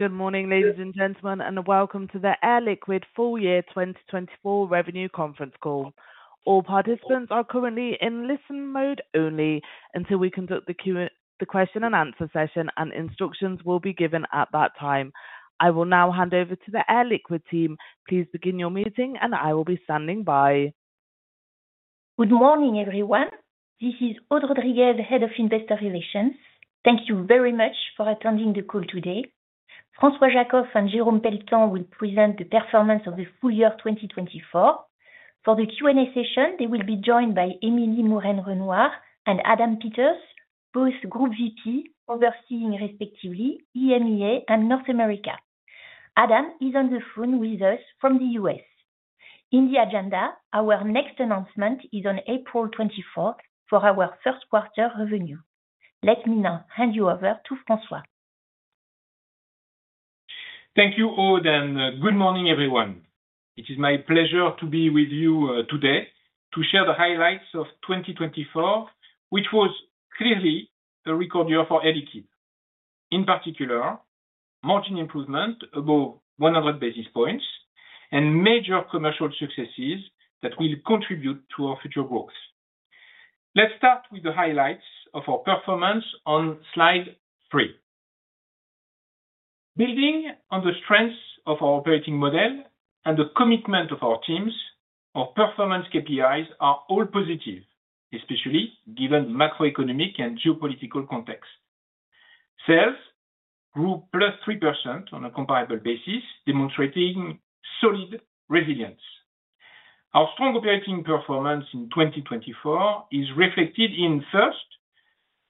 Good morning, ladies and gentlemen, and welcome to the Air Liquide full year 2024 revenue conference call. All participants are currently in listen mode only until we conduct the Q&A, the question and answer session, and instructions will be given at that time. I will now hand over to the Air Liquide team. Please begin your meeting, and I will be standing by. Good morning, everyone. This is Aude Rodriguez, head of investor relations. Thank you very much for attending the call today. François Jackow and Jérôme Pelletan will present the performance of the full year 2024. For the Q&A session, they will be joined by Émilie Mouren-Renouard and Adam Peters, both Group VP overseeing respectively EMEA and North America. Adam is on the phone with us from the U.S. In the agenda, our next announcement is on April 24 for our first quarter revenue. Let me now hand you over to François. Thank you, Aude, and good morning, everyone. It is my pleasure to be with you today to share the highlights of 2024, which was clearly a record year for Air Liquide. In particular, margin improvement above 100 basis points and major commercial successes that will contribute to our future growth. Let's start with the highlights of our performance on slide three. Building on the strengths of our operating model and the commitment of our teams, our performance KPIs are all positive, especially given the macroeconomic and geopolitical context. Sales grew +3% on a comparable basis, demonstrating solid resilience. Our strong operating performance in 2024 is reflected in, first,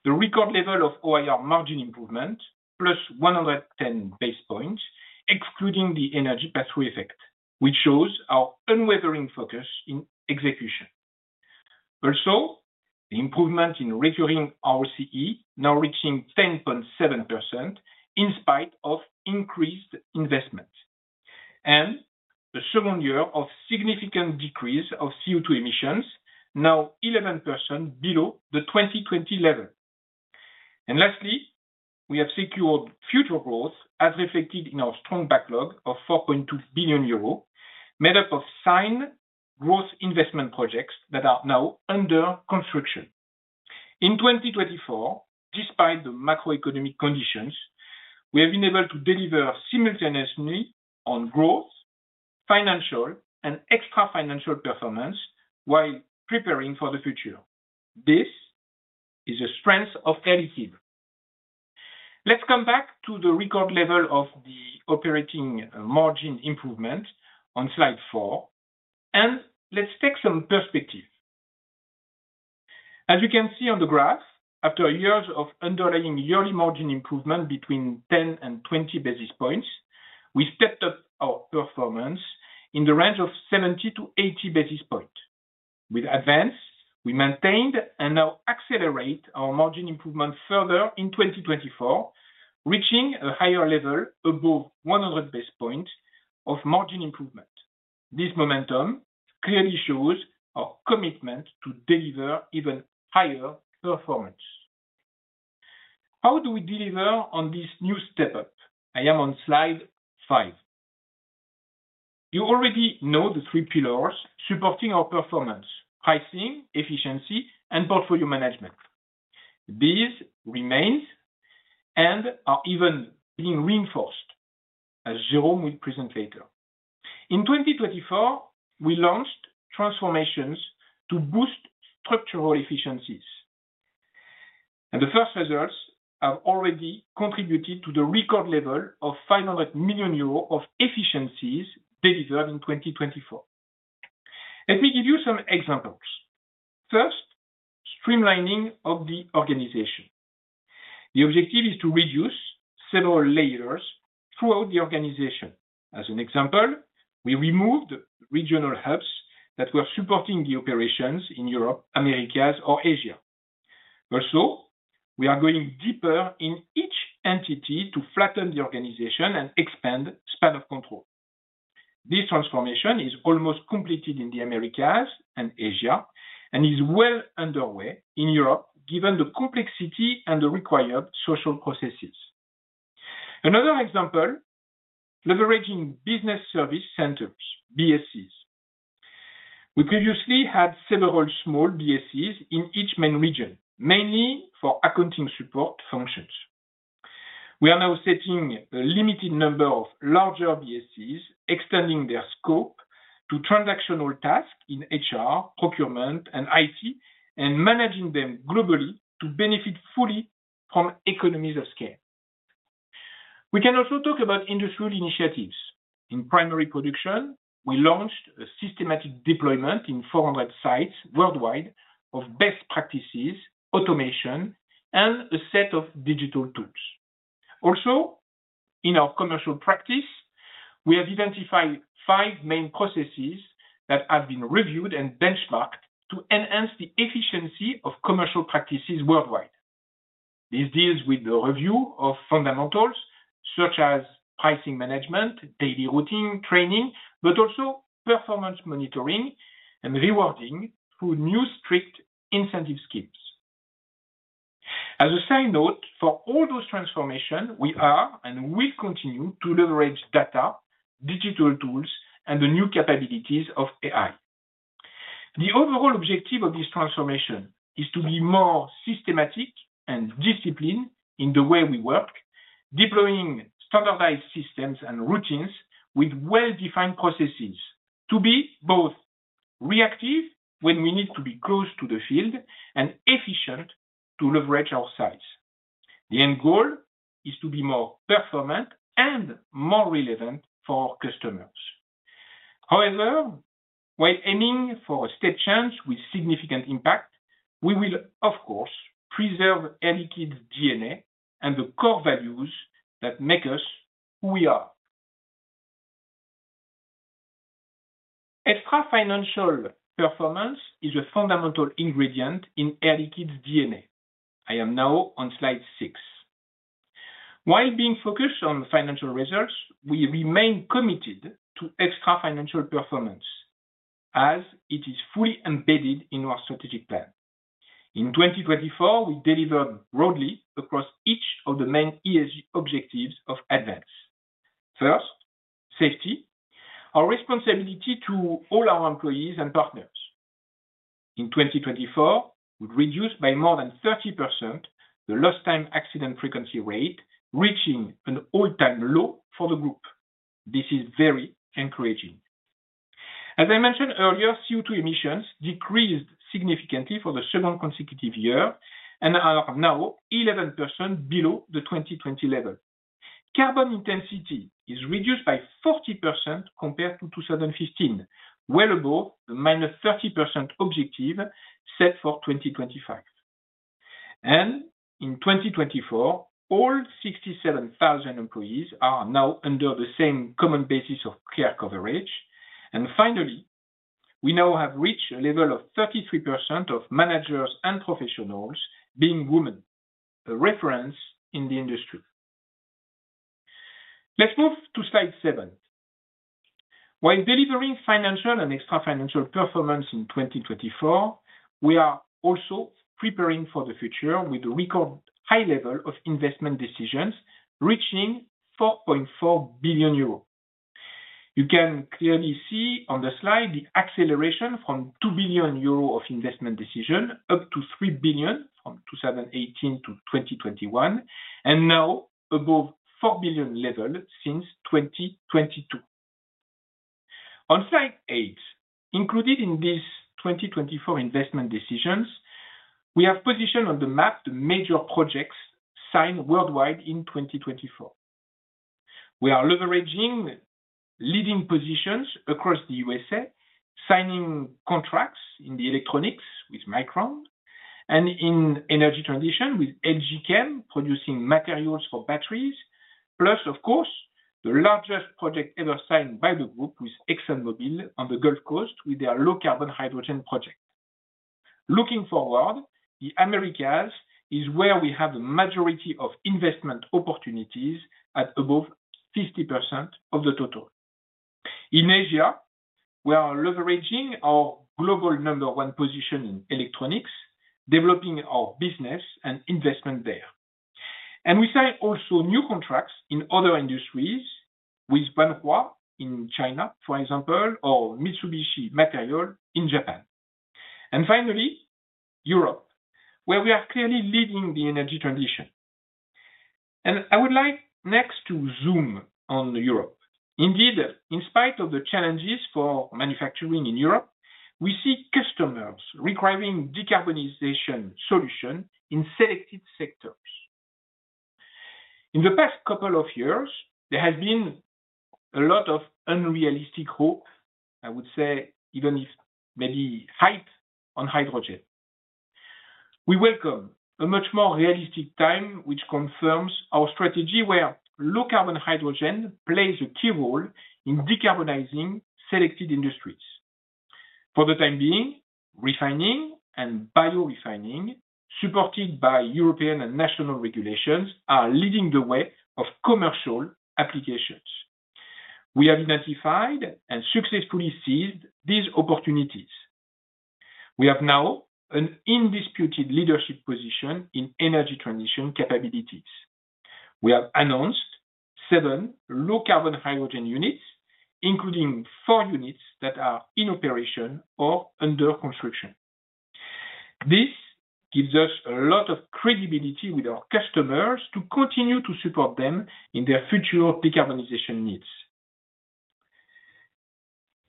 the record level of OIR margin improvement, +110 basis points, excluding the energy pass-through effect, which shows our unwavering focus in execution. Also, the improvement in recurring ROCE, now reaching 10.7% in spite of increased investment. And a second year of significant decrease of CO2 emissions, now 11% below the 2020 level. And lastly, we have secured future growth, as reflected in our strong backlog of 4.2 billion euros, made up of signed growth investment projects that are now under construction. In 2024, despite the macroeconomic conditions, we have been able to deliver simultaneously on growth, financial, and extra-financial performance while preparing for the future. This is the strength of Air Liquide. Let's come back to the record level of the operating margin improvement on slide four, and let's take some perspective. As you can see on the graph, after years of underlying yearly margin improvement between 10 and 20 basis points, we stepped up our performance in the range of 70 to 80 basis points. With ADVANCE, we maintained and now accelerate our margin improvement further in 2024, reaching a higher level above 100 basis points of margin improvement. This momentum clearly shows our commitment to deliver even higher performance. How do we deliver on this new step-up? I am on slide five. You already know the three pillars supporting our performance: pricing, efficiency, and portfolio management. These remain and are even being reinforced, as Jérôme will present later. In 2024, we launched transformations to boost structural efficiencies. The first results have already contributed to the record level of 500 million euros of efficiencies delivered in 2024. Let me give you some examples. First, streamlining of the organization. The objective is to reduce several layers throughout the organization. As an example, we removed regional hubs that were supporting the operations in Europe, Americas, or Asia. Also, we are going deeper in each entity to flatten the organization and expand the span of control. This transformation is almost completed in the Americas and Asia and is well underway in Europe, given the complexity and the required social processes. Another example, leveraging business service centers, BSCs. We previously had several small BSCs in each main region, mainly for accounting support functions. We are now setting a limited number of larger BSCs, extending their scope to transactional tasks in HR, procurement, and IT, and managing them globally to benefit fully from economies of scale. We can also talk about industrial initiatives. In primary production, we launched a systematic deployment in 400 sites worldwide of best practices, automation, and a set of digital tools. Also, in our commercial practice, we have identified five main processes that have been reviewed and benchmarked to enhance the efficiency of commercial practices worldwide. This deals with the review of fundamentals such as pricing management, daily routine, training, but also performance monitoring and rewarding through new strict incentive schemes. As a side note, for all those transformations, we are and will continue to leverage data, digital tools, and the new capabilities of AI. The overall objective of this transformation is to be more systematic and disciplined in the way we work, deploying standardized systems and routines with well-defined processes to be both reactive when we need to be close to the field and efficient to leverage our sites. The end goal is to be more performant and more relevant for our customers. However, while aiming for a steadfast change with significant impact, we will, of course, preserve Air Liquide's DNA and the core values that make us who we are. Extra-financial performance is a fundamental ingredient in Air Liquide's DNA. I am now on slide six. While being focused on financial results, we remain committed to extra-financial performance, as it is fully embedded in our strategic plan. In 2024, we delivered broadly across each of the main ESG objectives of ADVANCE. First, safety, our responsibility to all our employees and partners. In 2024, we reduced by more than 30% the lost-time accident frequency rate, reaching an all-time low for the group. This is very encouraging. As I mentioned earlier, CO2 emissions decreased significantly for the second consecutive year and are now 11% below the 2020 level. Carbon intensity is reduced by 40% compared to 2015, well above the minus 30% objective set for 2025, and in 2024, all 67,000 employees are now under the same common basis of care coverage. Finally, we now have reached a level of 33% of managers and professionals being women, a reference in the industry. Let's move to slide seven. While delivering financial and extra-financial performance in 2024, we are also preparing for the future with the record high level of investment decisions reaching 4.4 billion euros. You can clearly see on the slide the acceleration from 2 billion euro of investment decisions up to 3 billion from 2018 to 2021, and now above 4 billion level since 2022. On slide eight, included in these 2024 investment decisions, we have positioned on the map the major projects signed worldwide in 2024. We are leveraging leading positions across the USA, signing contracts in the electronics with Micron and in energy transition with LG Chem producing materials for batteries, plus, of course, the largest project ever signed by the group with ExxonMobil on the Gulf Coast with their low-carbon hydrogen project. Looking forward, the Americas is where we have the majority of investment opportunities at above 50% of the total. In Asia, we are leveraging our global number one position in electronics, developing our business and investment there. And we sign also new contracts in other industries with Wanhua, in China, for example, or Mitsubishi Materials in Japan. And finally, Europe, where we are clearly leading the energy transition. And I would like next to zoom on Europe. Indeed, in spite of the challenges for manufacturing in Europe, we see customers requiring decarbonization solutions in selected sectors. In the past couple of years, there has been a lot of unrealistic hope, I would say, even if maybe hype on hydrogen. We welcome a much more realistic time, which confirms our strategy where low-carbon hydrogen plays a key role in decarbonizing selected industries. For the time being, refining and biorefining, supported by European and national regulations, are leading the way of commercial applications. We have identified and successfully seized these opportunities. We have now an indisputable leadership position in energy transition capabilities. We have announced seven low-carbon hydrogen units, including four units that are in operation or under construction. This gives us a lot of credibility with our customers to continue to support them in their future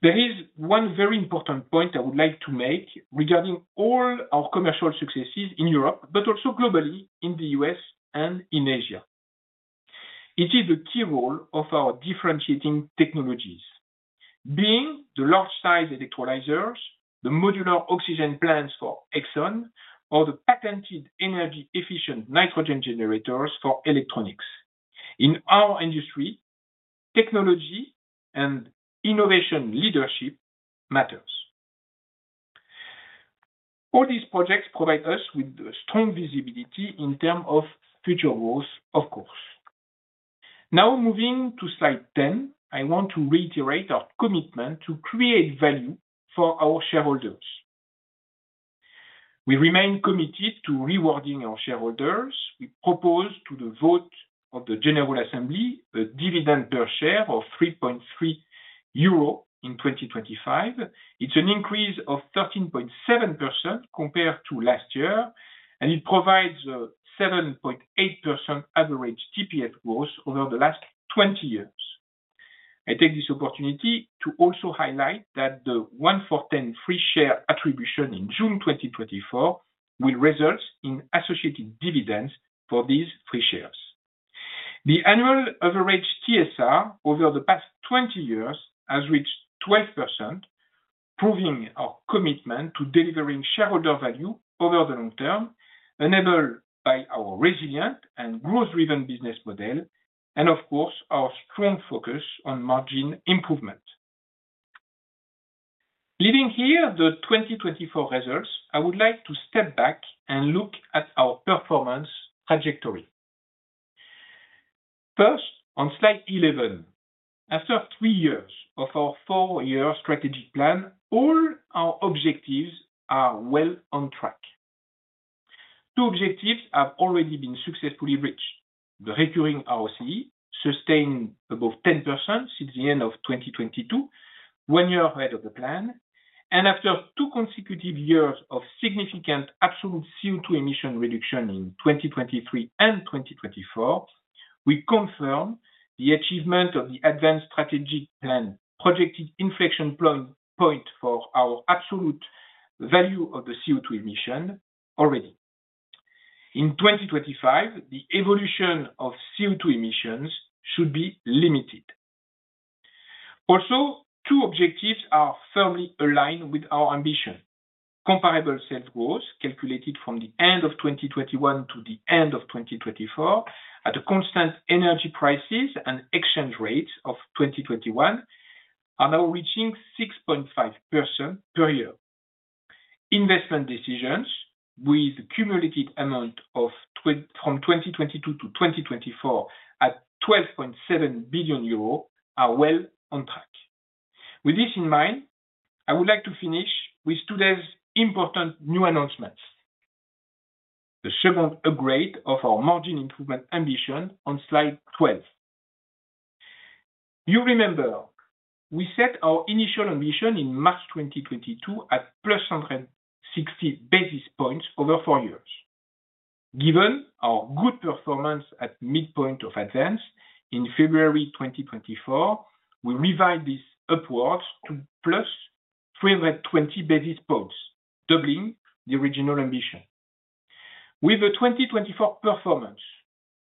decarbonization needs. There is one very important point I would like to make regarding all our commercial successes in Europe, but also globally in the U.S. and in Asia. It is the key role of our differentiating technologies, being the large-sized electrolyzers, the modular oxygen plants for Exxon, or the patented energy-efficient nitrogen generators for electronics. In our industry, technology and innovation leadership matters. All these projects provide us with strong visibility in terms of future growth, of course. Now, moving to Slide 10, I want to reiterate our commitment to create value for our shareholders. We remain committed to rewarding our shareholders. We propose to the vote of the General Assembly a dividend per share of €3.3 in 2025. It's an increase of 13.7% compared to last year, and it provides a 7.8% average TSR growth over the last 20 years. I take this opportunity to also highlight that the one-fourth free share attribution in June 2024 will result in associated dividends for these free shares. The annual average TSR over the past 20 years has reached 12%, proving our commitment to delivering shareholder value over the long term, enabled by our resilient and growth-driven business model, and, of course, our strong focus on margin improvement. Leaving here the 2024 results, I would like to step back and look at our performance trajectory. First, on Slide 11, after three years of our four-year strategic plan, all our objectives are well on track. Two objectives have already been successfully reached: the recurring ROCE, sustained above 10% since the end of 2022, one year ahead of the plan, and after two consecutive years of significant absolute CO2 emission reduction in 2023 and 2024, we confirm the achievement of the ADVANCE strategic plan projected inflection point for our absolute value of the CO2 emission already. In 2025, the evolution of CO2 emissions should be limited. Also, two objectives are firmly aligned with our ambition. Comparable sales growth calculated from the end of 2021 to the end of 2024, at a constant energy prices and exchange rates of 2021, are now reaching 6.5% per year. Investment decisions, with the cumulative amount from 2022 to 2024 at € 12.7 billion, are well on track. With this in mind, I would like to finish with today's important new announcements, the second upgrade of our margin improvement ambition on Slide 12. You remember, we set our initial ambition in March 2022 at plus 160 basis points over four years. Given our good performance at midpoint of ADVANCE in February 2024, we revived this upwards to plus 320 basis points, doubling the original ambition. With the 2024 performance,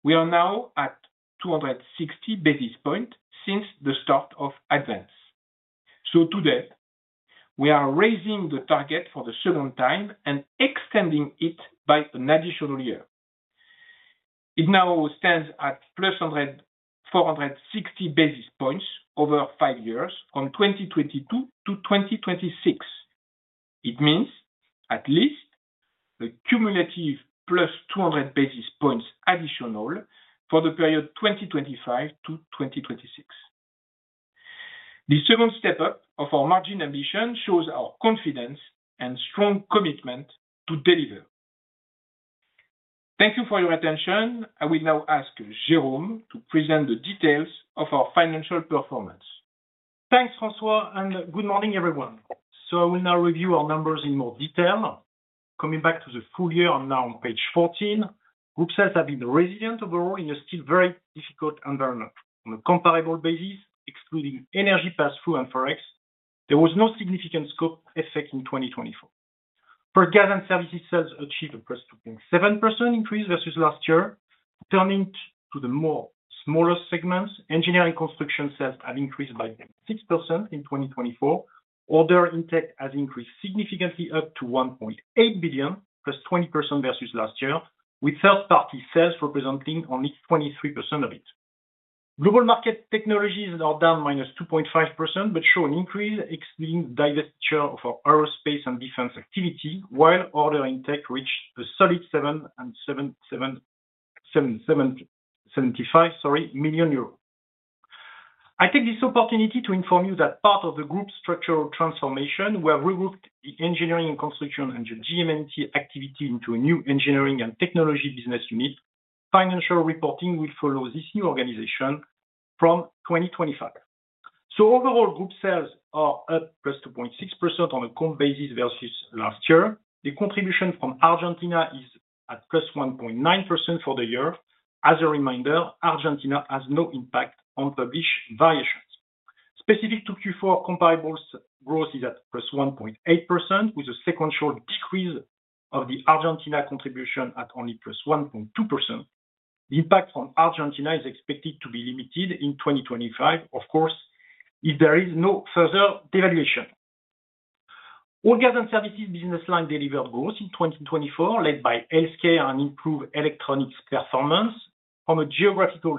we are now at 260 basis points since the start of ADVANCE. Today, we are raising the target for the second time and extending it by an additional year. It now stands at plus 460 basis points over five years, from 2022 to 2026. It means at least a cumulative plus 200 basis points additional for the period 2025 to 2026. The second step up of our margin ambition shows our confidence and strong commitment to deliver. Thank you for your attention. I will now ask Jérôme to present the details of our financial performance. Thanks, François, and good morning, everyone. I will now review our numbers in more detail. Coming back to the full year, now on page 14, group sales have been resilient overall in a still very difficult environment. On a comparable basis, excluding energy pass-through and forex, there was no significant scope effect in 2024.For gas and services sales, achieved a plus 2.7% increase versus last year. Turning to the more smaller segments, Engineering & Construction sales have increased by 6% in 2024. Order intake has increased significantly up to 1.8 billion, plus 20% versus last year, with third-party sales representing only 23% of it. Global market technologies are down minus 2.5%, but show an increase, excluding the divestiture of our aerospace and defense activity, while order intake reached a solid 775 million euro. I take this opportunity to inform you that part of the group structural transformation, we have regrouped the engineering and construction and the GM&T activity into a new Engineering & Technology As a reminder, Argentina has no impact on published variations. Specific to Q4, comparable growth is at plus 1.8%, with a sequential decrease of the Argentina contribution at only plus 1.2%. The impact from Argentina is expected to be limited in 2025, of course, if there is no further devaluation. All gas and services business line delivered growth in 2024, led by healthcare and improved electronics performance. From a geographical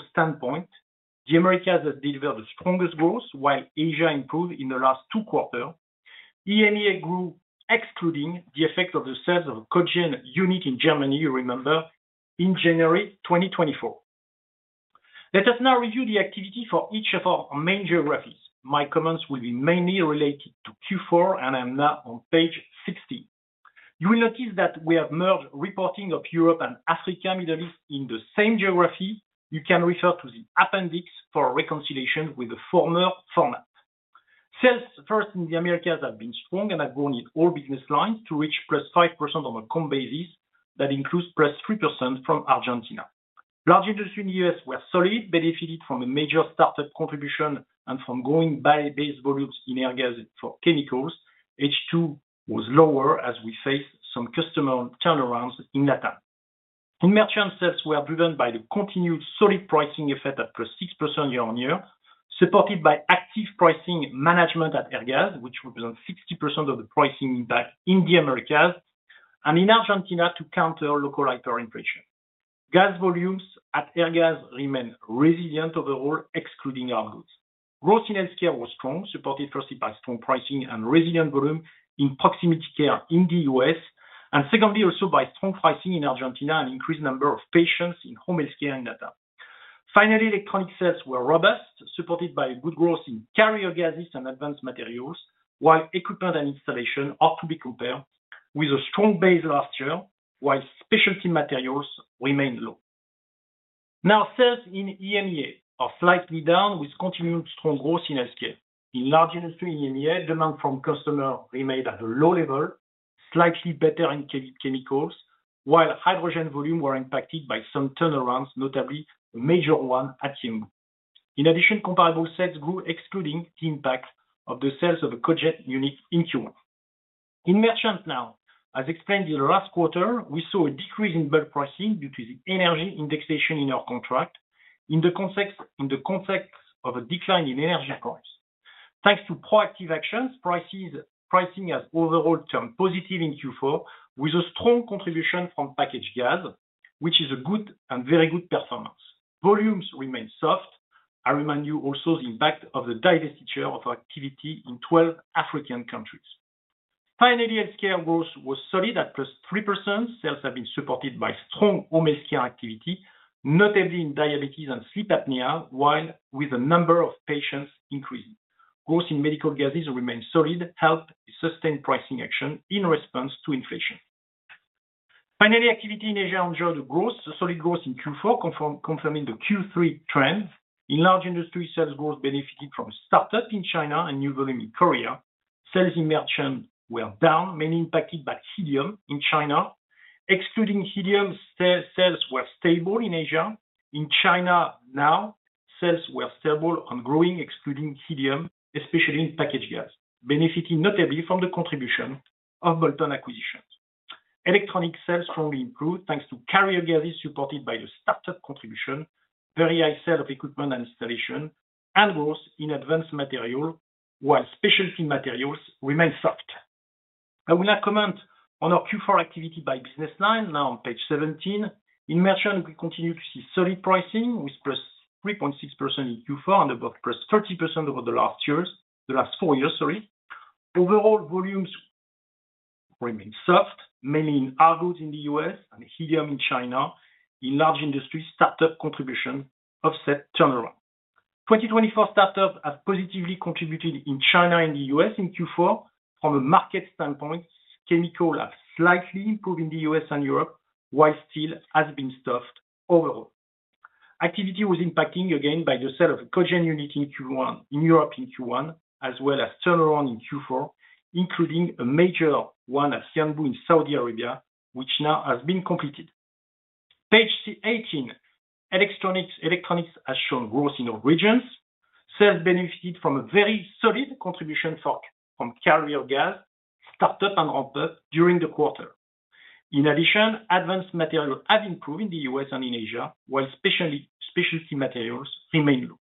standpoint, the Americas has delivered the strongest growth, while Asia improved in the last two quarters. EMEA grew, excluding the effect of the sales of a cogeneration unit in Germany, you remember, in January 2024. Let us now review the activity for each of our main geographies. My comments will be mainly related to Q4, and I'm now on page 16. You will notice that we have merged reporting of Europe and Africa Middle East in the same geography. You can refer to the appendix for reconciliation with the former format. Sales first in the Americas have been strong and have grown in all business lines to reach +5% on a com basis that includes +3% from Argentina. Large Industries in the U.S. were solid, benefited from a major startup contribution and from growing base volumes in Airgas for chemicals. H2 was lower as we faced some customer turnarounds in LatAm. In Merchant, sales were driven by the continued solid pricing effect at +6% year on year, supported by active pricing management at Airgas, which represents 60% of the pricing impact in the Americas and in Argentina to counter local hyperinflation. Gas volumes at Airgas remain resilient overall, excluding hard goods. Growth in healthcare was strong, supported firstly by strong pricing and resilient volume in proximity care in the US, and secondly, also by strong pricing in Argentina and increased number of patients in home healthcare in LatAm. Finally, electronic sales were robust, supported by good growth in carrier gases and advanced materials, while equipment and installation are to be compared with a strong base last year, while specialty materials remain low. Now, sales in EMEA are slightly down, with continued strong growth in healthcare. In Large Industries in EMEA, demand from customers remained at a low level, slightly better in chemicals, while hydrogen volumes were impacted by some turnarounds, notably a major one at Yanbu. In addition, comparable sales grew, excluding the impact of the sales of a cogeneration unit in Q1. In merchants now, as explained in the last quarter, we saw a decrease in bulk pricing due to the energy indexation in our contract, in the context of a decline in energy price. Thanks to proactive actions, pricing has overall turned positive in Q4, with a strong contribution from packaged gas, which is a good and very good performance. Volumes remain soft. I remind you also of the impact of the divestiture of our activity in 12 African countries. Finally, healthcare growth was solid at plus 3%. Sales have been supported by strong home healthcare activity, notably in diabetes and sleep apnea, while with a number of patients increasing. Growth in medical gases remained solid, helped sustain pricing action in response to inflation. Finally, activity in Asia enjoyed a growth, a solid growth in Q4, confirming the Q3 trend. In Large Industries, sales growth benefited from startup in China and new volume in Korea. Sales in Merchant were down, mainly impacted by helium in China. Excluding helium, sales were stable in Asia. In China now, sales were stable and growing, excluding helium, especially in packaged gas, benefiting notably from the contribution of Bolt-on acquisitions. Electronics sales strongly improved thanks to carrier gases supported by the startup contribution, very high sale of equipment and installation, and growth in advanced materials, while specialty materials remained soft. I will now comment on our Q4 activity by business line. Now on page 17, in Merchant, we continue to see solid pricing with +3.6% in Q4 and above +30% over the last years, the last four years, sorry. Overall, volumes remained soft, mainly in hard goods in the U.S. and helium in China. In Large Industries, startup contribution offset turnaround. 2024 startups have positively contributed in China and the US in Q4. From a market standpoint, chemicals have slightly improved in the US and Europe, while still has been soft overall. Activity was impacting again by the sale of a cogeneration unit in Q1 in Europe in Q1, as well as turnaround in Q4, including a major one at Yanbu in Saudi Arabia, which now has been completed. Page 18, electronics has shown growth in all regions. Sales benefited from a very solid contribution from carrier gas, startup, and ramp-up during the quarter. In addition, advanced materials have improved in the US and in Asia, while specialty materials remain low.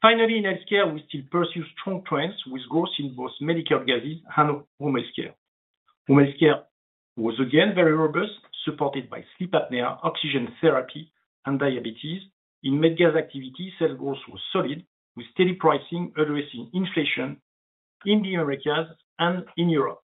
Finally, in healthcare, we still pursue strong trends with growth in both medical gases and home healthcare. Home healthcare was again very robust, supported by sleep apnea, oxygen therapy, and diabetes. In med gas activity, sales growth was solid, with steady pricing addressing inflation in the Americas and in Europe.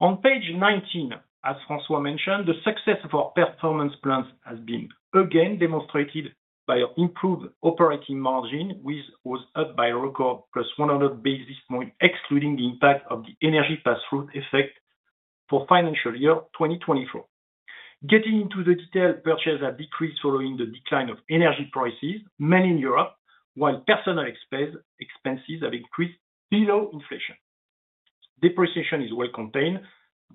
On page 19, as François mentioned, the success of our performance plans has been again demonstrated by an improved operating margin, which was upped by a record plus 100 basis points, excluding the impact of the energy pass-through effect for financial year 2024. Getting into the detail, purchases have decreased following the decline of energy prices, mainly in Europe, while personnel expenses have increased below inflation. Depreciation is well contained.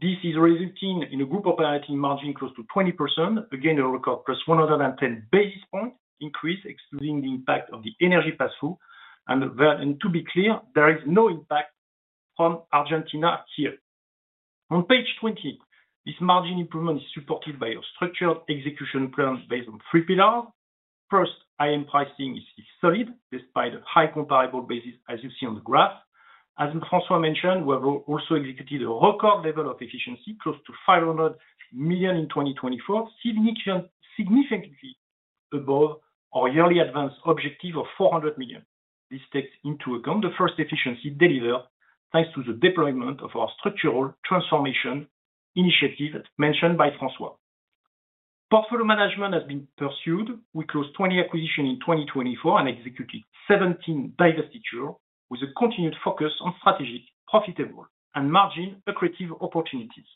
This is resulting in a group operating margin close to 20%, again a record plus 110 basis points increase, excluding the impact of the energy pass-through. And to be clear, there is no impact from Argentina here. On page 20, this margin improvement is supported by a structured execution plan based on three pillars. First, IM pricing is solid despite a high comparable basis, as you see on the graph. As François mentioned, we have also executed a record level of efficiency, close to 500 million in 2024, significantly above our yearly ADVANCE objective of 400 million. This takes into account the first efficiency delivered thanks to the deployment of our structural transformation initiative mentioned by François. Portfolio management has been pursued. We closed 20 acquisitions in 2024 and executed 17 divestitures, with a continued focus on strategic, profitable, and margin-accretive opportunities.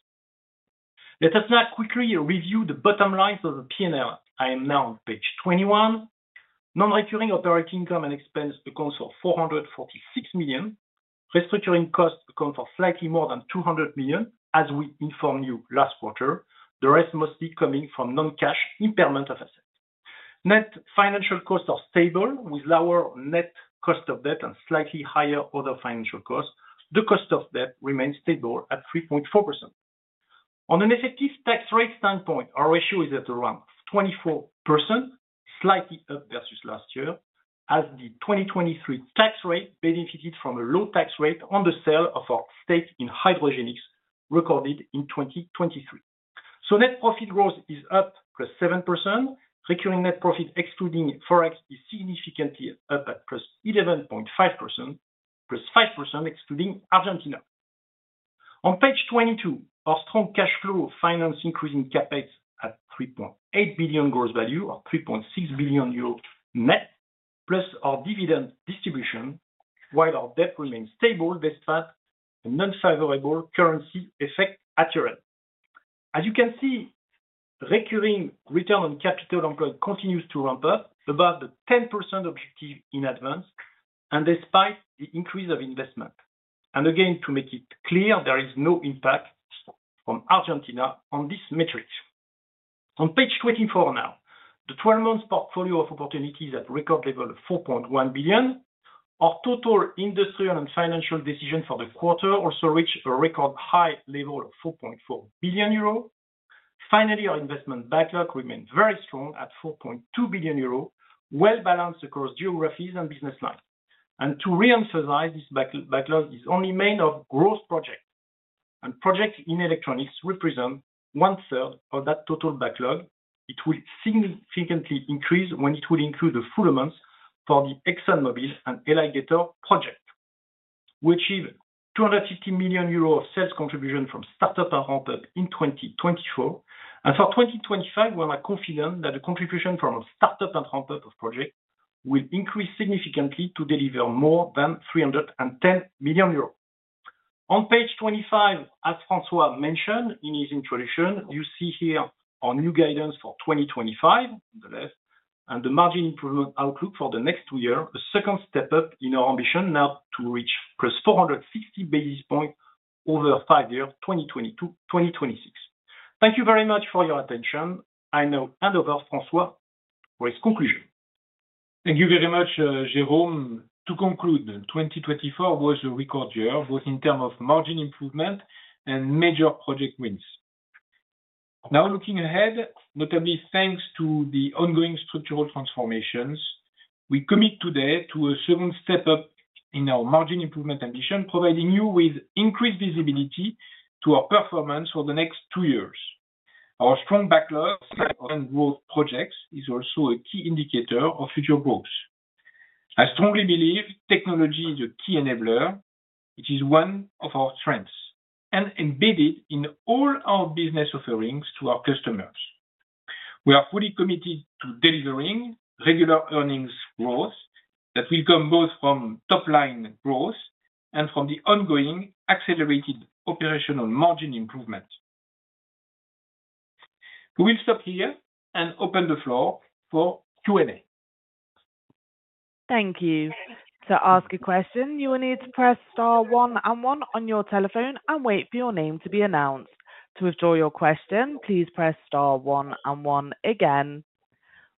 Let us now quickly review the bottom lines of the P&L. I am now on page 21. Non-recurring operating income and expense accounts for 446 million. Restructuring costs account for slightly more than 200 million, as we informed you last quarter. The rest mostly coming from non-cash impairment of assets. Net financial costs are stable with lower net cost of debt and slightly higher other financial costs. The cost of debt remains stable at 3.4%. On an effective tax rate standpoint, our ratio is at around 24%, slightly up versus last year, as the 2023 tax rate benefited from a low tax rate on the sale of our stake in Hydrogenics recorded in 2023. So net profit growth is up plus 7%. Recurring net profit, excluding forex, is significantly up at plus 11.5%, plus 5%, excluding Argentina. On page 22, our strong cash flow finance increasing CapEx at 3.8 billion gross value or 3.6 billion euro net, plus our dividend distribution, while our debt remains stable despite a non-favorable currency effect at EUR. As you can see, recurring return on capital employed continues to ramp up above the 10% objective in ADVANCE and despite the increase of investment. Again, to make it clear, there is no impact from Argentina on this metric. On page 24 now, the 12-month portfolio of opportunities at record level of 4.1 billion EUR. Our total industrial and FID for the quarter also reached a record high level of 4.4 billion euro. Finally, our investment backlog remained very strong at 4.2 billion euro, well-balanced across geographies and business lines. To reemphasize, this backlog is only made of gross projects. Projects in electronics represent one-third of that total backlog. It will significantly increase when it will include the full amounts for the ExxonMobil and ELYgator project. We achieved 250 million euro of sales contribution from startup and ramp-up in 2024. For 2025, we are confident that the contribution from a startup and ramp-up of projects will increase significantly to deliver more than 310 million euros. On page 25, as François mentioned in his introduction, you see here our new guidance for 2025 on the left, and the margin improvement outlook for the next two years, a second step up in our ambition now to reach plus 460 basis points over five years, 2022-2026. Thank you very much for your attention. I now hand over to François for his conclusion. Thank you very much, Jérôme. To conclude, 2024 was a record year, both in terms of margin improvement and major project wins. Now looking ahead, notably thanks to the ongoing structural transformations, we commit today to a second step up in our margin improvement ambition, providing you with increased visibility to our performance for the next two years. Our strong backlog and growth projects are also a key indicator of future growth. I strongly believe technology is a key enabler. It is one of our strengths and embedded in all our business offerings to our customers. We are fully committed to delivering regular earnings growth that will come both from top-line growth and from the ongoing accelerated operational margin improvement. We will stop here and open the floor for Q&A. Thank you. To ask a question, you will need to press star one and one on your telephone and wait for your name to be announced. To withdraw your question, please press star one and one again.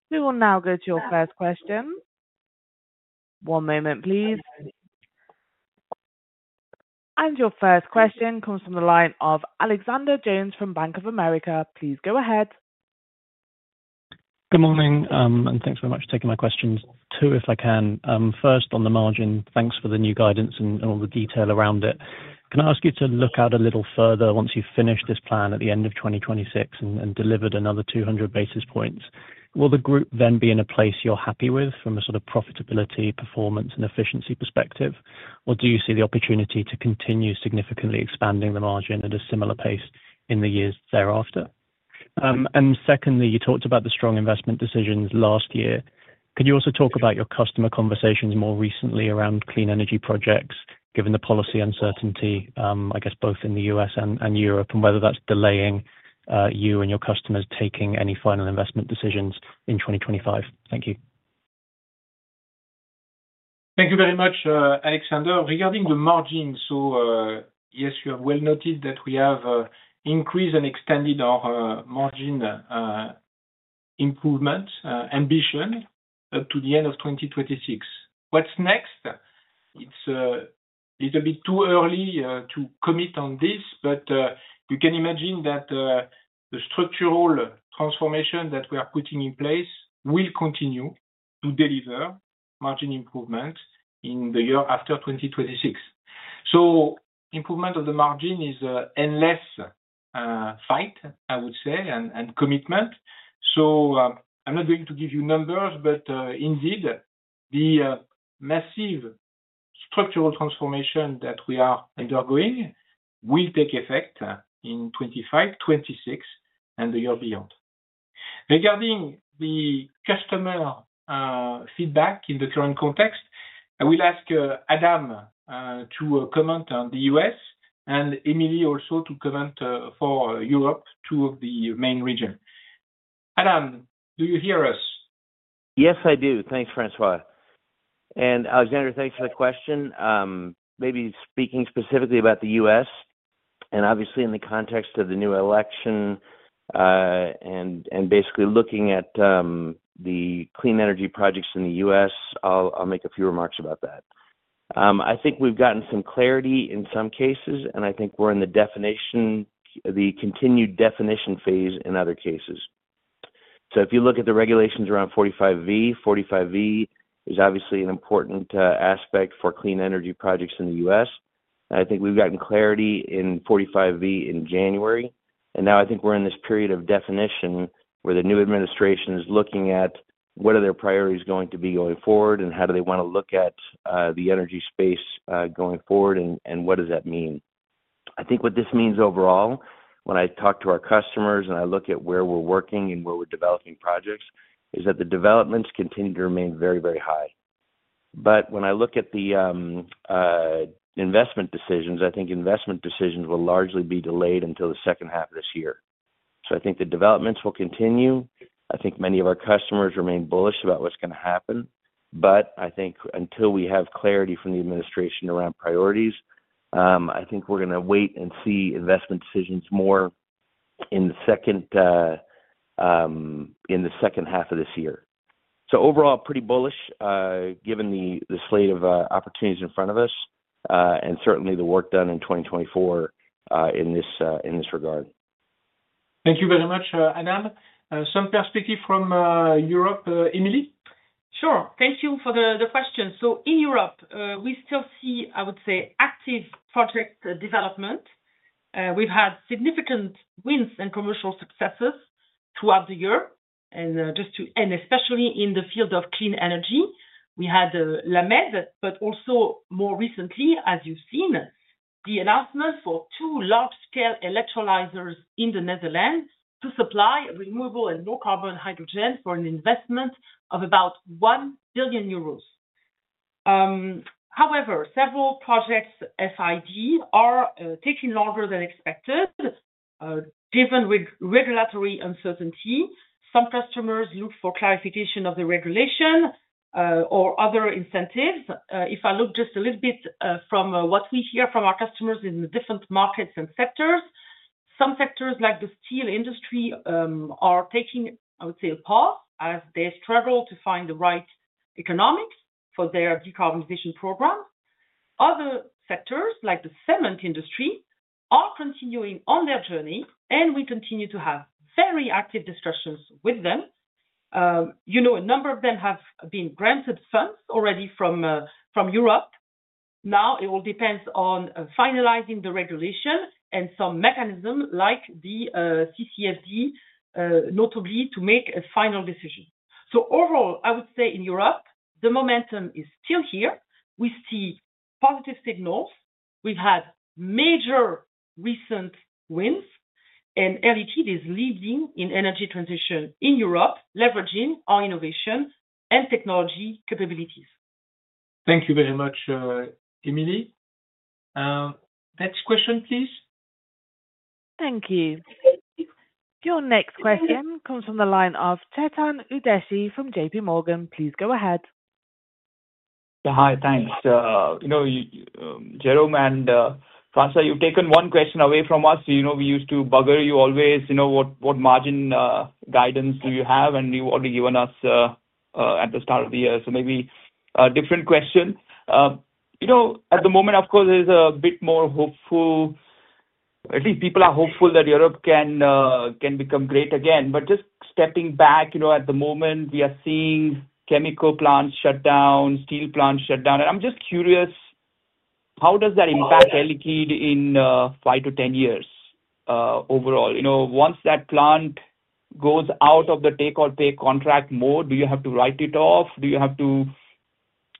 We will now go to your first question. One moment, please. And your first question comes from the line of Alexander Jones from Bank of America. Please go ahead. Good morning, and thanks very much for taking my questions. Two, if I can. First, on the margin, thanks for the new guidance and all the detail around it. Can I ask you to look out a little further once you've finished this plan at the end of 2026 and delivered another 200 basis points? Will the group then be in a place you're happy with from a sort of profitability, performance, and efficiency perspective, or do you see the opportunity to continue significantly expanding the margin at a similar pace in the years thereafter? And secondly, you talked about the strong investment decisions last year. Could you also talk about your customer conversations more recently around clean energy projects, given the policy uncertainty, I guess, both in the U.S. and Europe, and whether that's delaying you and your customers taking any final investment decisions in 2025? Thank you. Thank you very much, Alexander. Regarding the margin, so yes, you have well noted that we have increased and extended our margin improvement ambition up to the end of 2026. What's next? It's a little bit too early to commit on this, but you can imagine that the structural transformation that we are putting in place will continue to deliver margin improvement in the year after 2026. So improvement of the margin is an endless fight, I would say, and commitment. So I'm not going to give you numbers, but indeed, the massive structural transformation that we are undergoing will take effect in 2025, 2026, and the year beyond. Regarding the customer feedback in the current context, I will ask Adam to comment on the U.S. and Émilie also to comment for Europe, two of the main regions. Adam, do you hear us? Yes, I do. Thanks, François. And Alexander, thanks for the question. Maybe speaking specifically about the U.S., and obviously in the context of the new election and basically looking at the clean energy projects in the U.S., I'll make a few remarks about that. I think we've gotten some clarity in some cases, and I think we're in the continued definition phase in other cases. So if you look at the regulations around 45V, 45V is obviously an important aspect for clean energy projects in the U.S. I think we've gotten clarity in 45V in January. And now I think we're in this period of definition where the new administration is looking at what are their priorities going to be going forward and how do they want to look at the energy space going forward and what does that mean. I think what this means overall, when I talk to our customers and I look at where we're working and where we're developing projects, is that the developments continue to remain very, very high, but when I look at the investment decisions, I think investment decisions will largely be delayed until the second half of this year, so I think the developments will continue. I think many of our customers remain bullish about what's going to happen, but I think until we have clarity from the administration around priorities, I think we're going to wait and see investment decisions more in the second half of this year, so overall, pretty bullish given the slate of opportunities in front of us and certainly the work done in 2024 in this regard. Thank you very much, Adam. Some perspective from Europe, Emilie? Sure. Thank you for the question. In Europe, we still see, I would say, active project development. We've had significant wins and commercial successes throughout the year. Especially in the field of clean energy, we had La Mède, but also more recently, as you've seen, the announcement for two large-scale electrolyzers in the Netherlands to supply renewable and low-carbon hydrogen for an investment of about one billion euros. However, several projects' FID are taking longer than expected given regulatory uncertainty. Some customers look for clarification of the regulation or other incentives. If I look just a little bit from what we hear from our customers in the different markets and sectors, some sectors like the steel industry are taking, I would say, a pause as they struggle to find the right economics for their decarbonization programs. Other sectors like the cement industry are continuing on their journey, and we continue to have very active discussions with them. You know, a number of them have been granted funds already from Europe. Now it all depends on finalizing the regulation and some mechanism like the CCFD, notably to make a final decision. So overall, I would say in Europe, the momentum is still here. We see positive signals. We've had major recent wins, and LET is leading in energy transition in Europe, leveraging our innovation and technology capabilities. Thank you very much, Emilie. Next question, please. Thank you. Your next question comes from the line of Chetan Udeshi from J.P. Morgan. Please go ahead. Hi, thanks. You know, Jérôme and François, you've taken one question away from us. You know, we used to bugger you always. You know, what margin guidance do you have? You've already given us at the start of the year. Maybe a different question. You know, at the moment, of course, there's a bit more hopeful. At least people are hopeful that Europe can become great again. But just stepping back, you know, at the moment, we are seeing chemical plants shut down, steel plants shut down. And I'm just curious, how does that impact LEQ in 5 to 10 years overall? You know, once that plant goes out of the take-or-pay contract mode, do you have to write it off? Do you have to,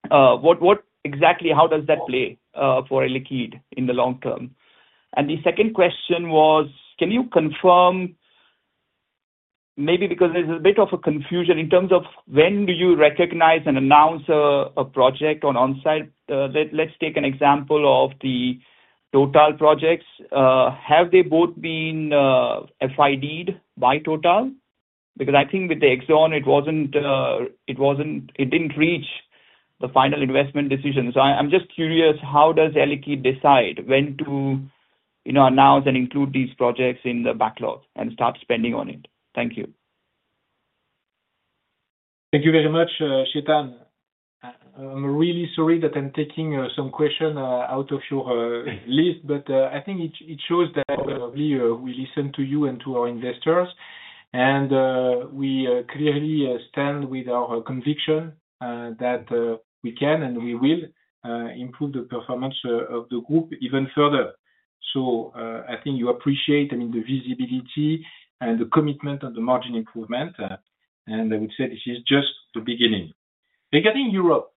what exactly how does that play for LEQ in the long term? And the second question was, can you confirm maybe because there's a bit of a confusion in terms of when do you recognize and announce a project onsite? Let's take an example of the Total projects. Have they both been FIDed by Total? Because I think with the Exxon, it didn't reach the final investment decision. So I'm just curious, how does Air Liquide decide when to announce and include these projects in the backlog and start spending on it? Thank you. Thank you very much, Chetan. I'm really sorry that I'm taking some questions out of your list, but I think it shows that we listen to you and to our investors. And we clearly stand with our conviction that we can and we will improve the performance of the group even further. So I think you appreciate, I mean, the visibility and the commitment on the margin improvement. And I would say this is just the beginning. Regarding Europe,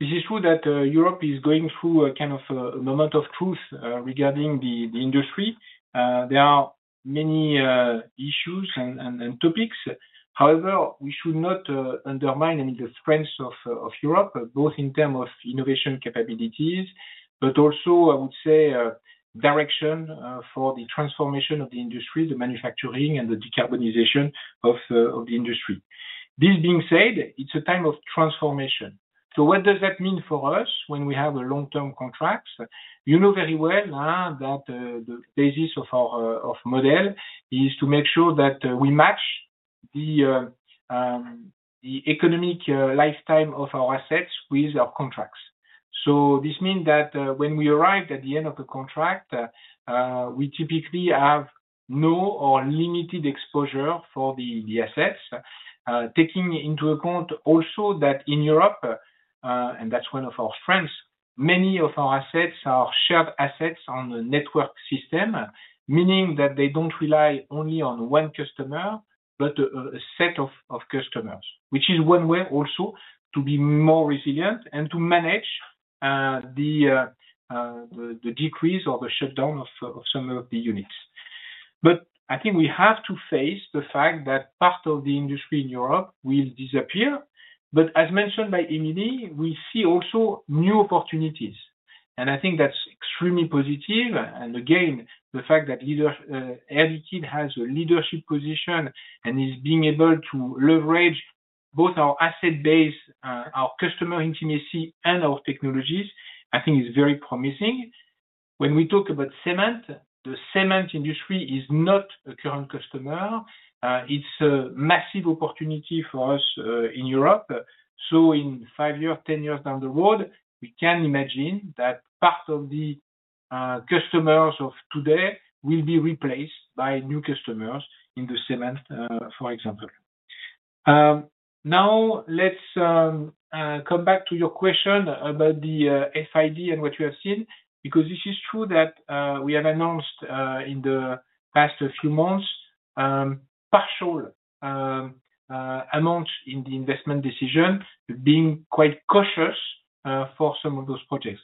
this is true that Europe is going through a kind of a moment of truth regarding the industry. There are many issues and topics. However, we should not undermine, I mean, the strengths of Europe, both in terms of innovation capabilities, but also, I would say, direction for the transformation of the industry, the manufacturing, and the decarbonization of the industry. This being said, it's a time of transformation, so what does that mean for us when we have long-term contracts? You know very well that the basis of our model is to make sure that we match the economic lifetime of our assets with our contracts. This means that when we arrive at the end of the contract, we typically have no or limited exposure for the assets, taking into account also that in Europe, and that's one of our strengths, many of our assets are shared assets on a network system, meaning that they don't rely only on one customer, but a set of customers, which is one way also to be more resilient and to manage the decrease or the shutdown of some of the units. But I think we have to face the fact that part of the industry in Europe will disappear. But as mentioned by Émilie, we see also new opportunities. And I think that's extremely positive. And again, the fact that Air Liquide has a leadership position and is being able to leverage both our asset base, our customer intimacy, and our technologies, I think is very promising. When we talk about cement, the cement industry is not a current customer. It's a massive opportunity for us in Europe. So in five years, 10 years down the road, we can imagine that part of the customers of today will be replaced by new customers in the cement, for example. Now, let's come back to your question about the FID and what you have seen, because this is true that we have announced in the past few months partial amounts in the investment decision, being quite cautious for some of those projects.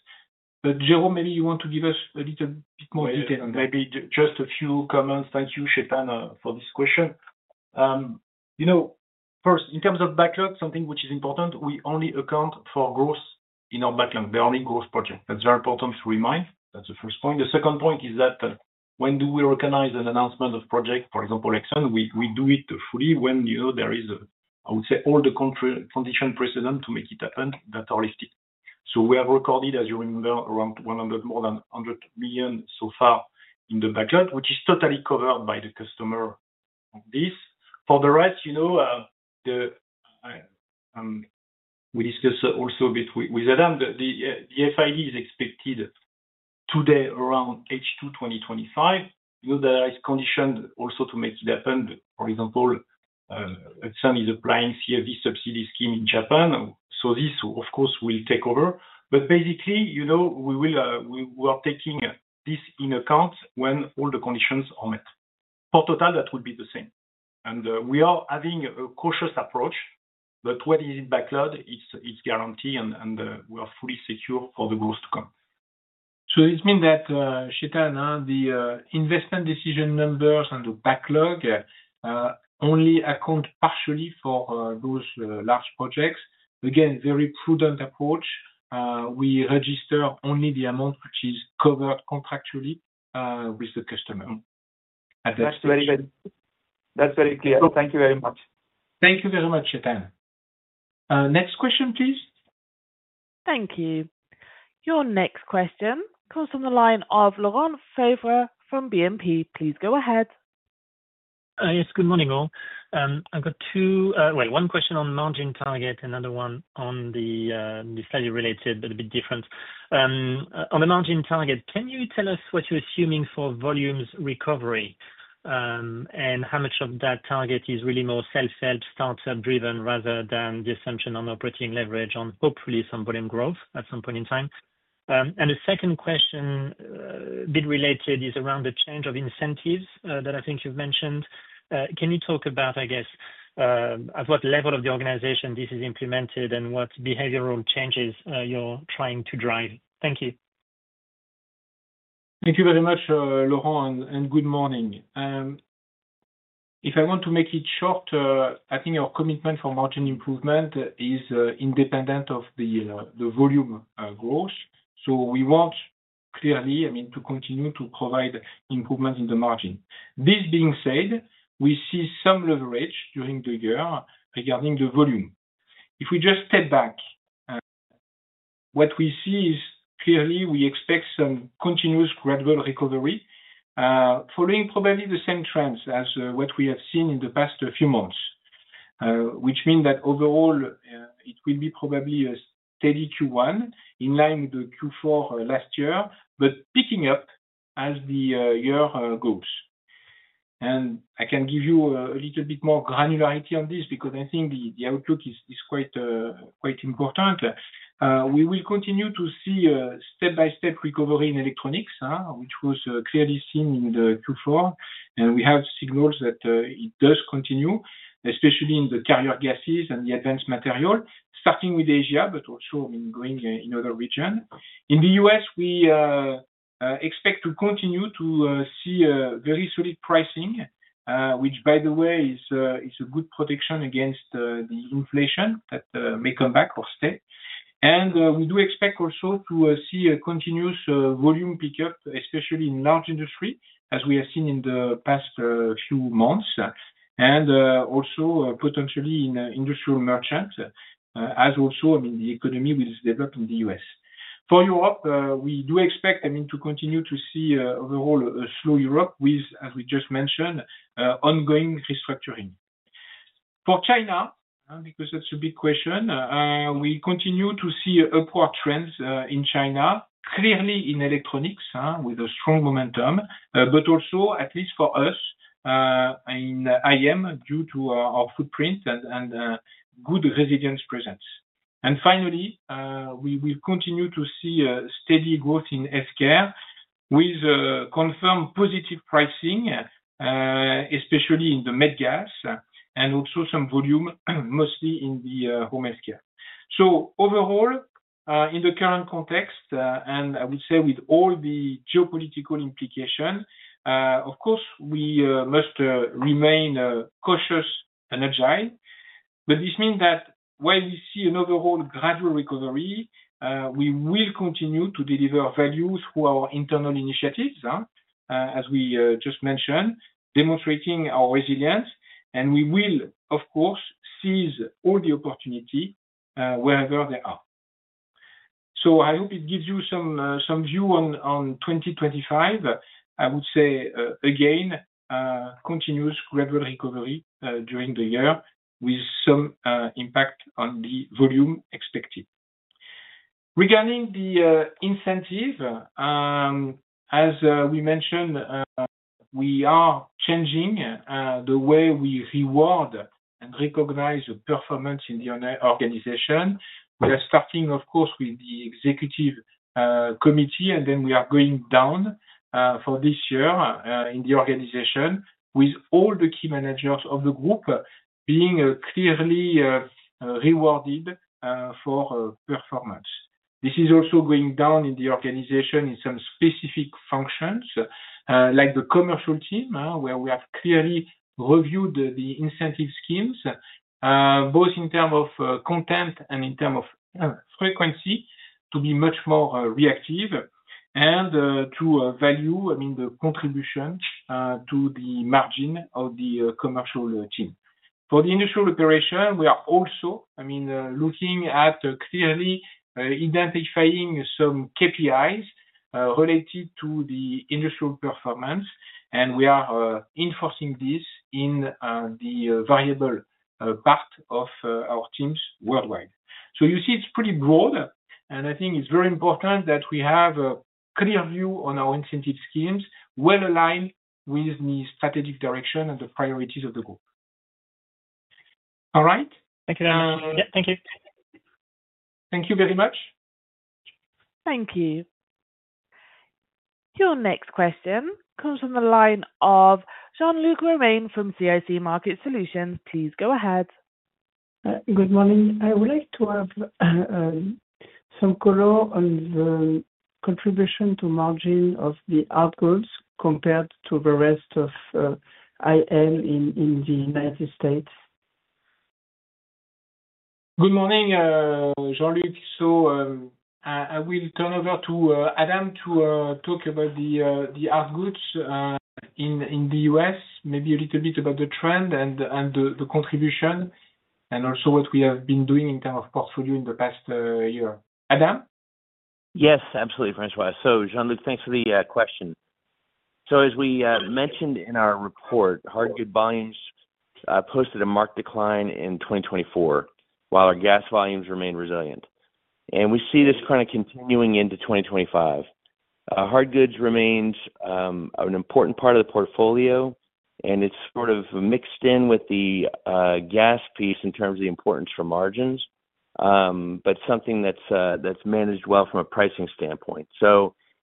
But Jérôme, maybe you want to give us a little bit more detail on that. Maybe just a few comments. Thank you, Chetan, for this question. You know, first, in terms of backlog, something which is important, we only account for growth in our backlog. They're only growth projects. That's very important to remind. That's the first point. The second point is that when do we recognize an announcement of project, for example, ExxonMobil? We do it fully when there is, I would say, all the conditions precedent to make it happen that are listed. So we have recorded, as you remember, around more than 100 million so far in the backlog, which is totally covered by the customer of this. For the rest, we discussed also a bit with Adam, the FID is expected today around H2 2025. You know that there is condition also to make it happen. For example, ExxonMobil is applying CFD subsidy scheme in Japan. So this, of course, will take over. But basically, we are taking this in account when all the conditions are met. For Total, that would be the same, and we are having a cautious approach, but what is it backlogged? It's guaranteed, and we are fully secure for the growth to come. So this means that, Chetan, the investment decision numbers and the backlog only account partially for those large projects. Again, very prudent approach. We register only the amount which is covered contractually with the customer. That's very clear. Thank you very much. Thank you very much, Chetan. Next question, please. Thank you. Your next question comes from the line of Laurent Favre from BNP. Please go ahead. Yes, good morning, all. I've got two, well, one question on margin target, another one on the slightly related, but a bit different. On the margin target, can you tell us what you're assuming for volumes recovery and how much of that target is really more self-help, startup-driven rather than the assumption on operating leverage on hopefully some volume growth at some point in time? And the second question, a bit related, is around the change of incentives that I think you've mentioned. Can you talk about, I guess, at what level of the organization this is implemented and what behavioral changes you're trying to drive? Thank you. Thank you very much, Laurent, and good morning. If I want to make it short, I think our commitment for margin improvement is independent of the volume growth. So we want clearly, I mean, to continue to provide improvements in the margin. This being said, we see some leverage during the year regarding the volume. If we just step back, what we see is clearly we expect some continuous gradual recovery following probably the same trends as what we have seen in the past few months, which means that overall, it will be probably a steady Q1 in line with the Q4 last year, but picking up as the year goes, and I can give you a little bit more granularity on this because I think the outlook is quite important. We will continue to see step-by-step recovery in electronics, which was clearly seen in the Q4, and we have signals that it does continue, especially in the carrier gases and the advanced material, starting with Asia, but also, I mean, going in other regions. In the U.S., we expect to continue to see very solid pricing, which, by the way, is a good protection against the inflation that may come back or stay. We do expect also to see a continuous volume pickup, especially in large industry, as we have seen in the past few months, and also potentially in industrial merchants, as also, I mean, the economy will develop in the US. For Europe, we do expect, I mean, to continue to see overall a slow Europe with, as we just mentioned, ongoing restructuring. For China, because that's a big question, we continue to see upward trends in China, clearly in electronics with a strong momentum, but also, at least for us in IM, due to our footprint and good resilience presence. Finally, we will continue to see steady growth in healthcare with confirmed positive pricing, especially in the med gas, and also some volume, mostly in the home healthcare. So overall, in the current context, and I would say with all the geopolitical implications, of course, we must remain cautious and agile. But this means that while we see an overall gradual recovery, we will continue to deliver value through our internal initiatives, as we just mentioned, demonstrating our resilience. And we will, of course, seize all the opportunities wherever they are. So I hope it gives you some view on 2025. I would say, again, continuous gradual recovery during the year with some impact on the volume expected. Regarding the incentive, as we mentioned, we are changing the way we reward and recognize the performance in the organization. We are starting, of course, with the executive committee, and then we are going down for this year in the organization with all the key managers of the group being clearly rewarded for performance. This is also going down in the organization in some specific functions, like the commercial team, where we have clearly reviewed the incentive schemes, both in terms of content and in terms of frequency to be much more reactive and to value, I mean, the contribution to the margin of the commercial team. For the industrial operation, we are also, I mean, looking at clearly identifying some KPIs related to the industrial performance, and we are enforcing this in the variable part of our teams worldwide. So you see, it's pretty broad, and I think it's very important that we have a clear view on our incentive schemes well aligned with the strategic direction and the priorities of the group. All right? Thank you, and. Thank you. Thank you very much. Thank you. Your next question comes from the line of Jean-Luc Romain from CIC Market Solutions. Please go ahead. Good morning. I would like to have some color on the contribution to margin of the hard goods compared to the rest of IM in the United States. Good morning, Jean-Luc. So I will turn over to Adam to talk about the hard goods in the U.S., maybe a little bit about the trend and the contribution, and also what we have been doing in terms of portfolio in the past year. Adam? Yes, absolutely, François. So Jean-Luc, thanks for the question. So as we mentioned in our report, hard goods volumes posted a marked decline in 2024 while our gas volumes remained resilient. And we see this kind of continuing into 2025. Hard goods remains an important part of the portfolio, and it's sort of mixed in with the gas piece in terms of the importance for margins, but something that's managed well from a pricing standpoint.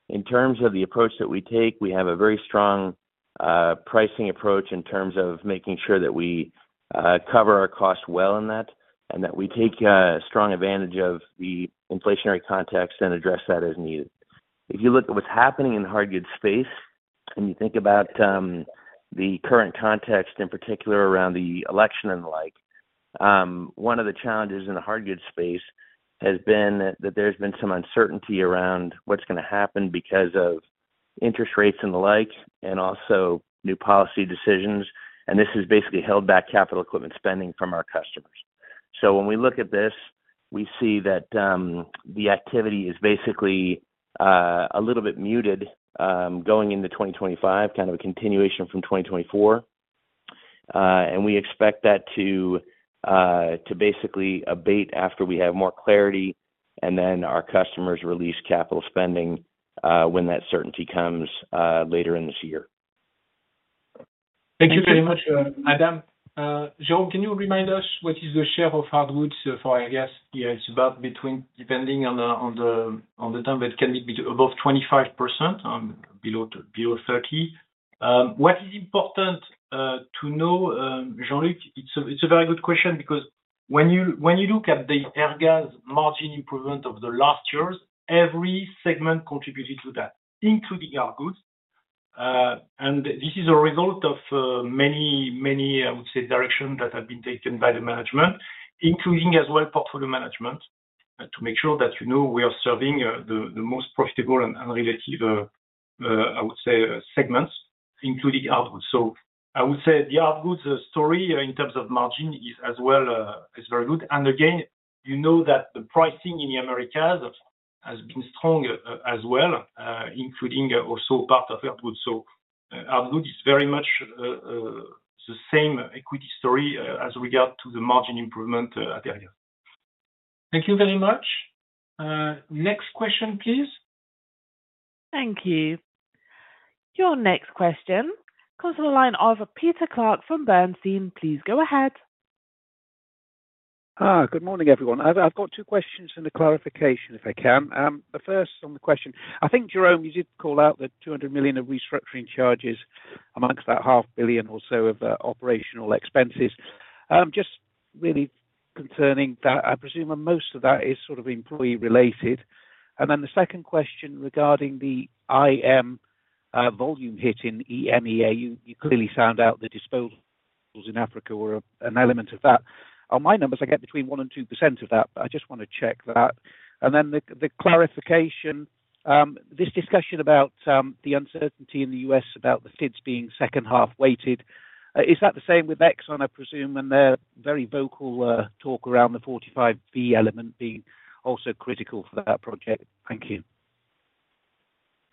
In terms of the approach that we take, we have a very strong pricing approach in terms of making sure that we cover our cost well in that and that we take strong advantage of the inflationary context and address that as needed. If you look at what's happening in the hard goods space and you think about the current context, in particular around the election and the like, one of the challenges in the hard goods space has been that there's been some uncertainty around what's going to happen because of interest rates and the like, and also new policy decisions. This has basically held back capital equipment spending from our customers. When we look at this, we see that the activity is basically a little bit muted going into 2025, kind of a continuation from 2024. And we expect that to basically abate after we have more clarity, and then our customers release capital spending when that certainty comes later in this year. Thank you very much, Adam. Jean-Luc, can you remind us what is the share of hard goods for Airgas? Yes, between 25% and 30%, depending on the term. What is important to know, Jean-Luc? It's a very good question because when you look at the Airgas margin improvement of the last years, every segment contributed to that, including our goods. And this is a result of many, many, I would say, decisions that have been taken by the management, including as well portfolio management, to make sure that we are serving the most profitable and relevant, I would say, segments, including hard goods. So I would say the hard goods story in terms of margin is as well very good. And again, you know that the pricing in the Americas has been strong as well, including also part of hard goods. So hard goods is very much the same equity story as regard to the margin improvement at Airgas. Thank you very much. Next question, please. Thank you. Your next question comes from the line of Peter Clark from Bernstein. Please go ahead. Good morning, everyone. I've got two questions and a clarification, if I can. The first on the question, I think, Jérôme, you did call out the 200 million of restructuring charges amongst that 500 million or so of operational expenses. Just really concerning that I presume most of that is sort of employee-related. And then the second question regarding the IM volume hit in EMEA. You clearly found out the disposals in Africa were an element of that. On my numbers, I get between 1% and 2% of that, but I just want to check that, and then the clarification, this discussion about the uncertainty in the U.S. about the FIDs being second-half weighted, is that the same with Exxon, I presume, and their very vocal talk around the 45V element being also critical for that project? Thank you.